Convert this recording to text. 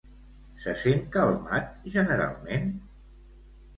Se sent calmat generalment?